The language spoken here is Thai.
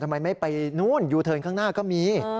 ทำไมไม่ไปนู่นยูเทิร์นข้างหน้าก็มี